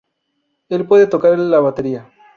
Él puede tocar la batería.